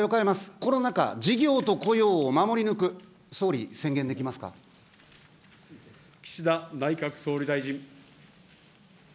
コロナ禍、事業と雇用を守り抜く、総理、岸田内閣総理大臣。